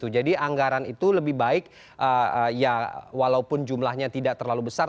jadi anggaran itu lebih baik walaupun jumlahnya tidak terlalu besar